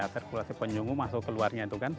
sirkulasi penyunggu masuk keluarnya itu kan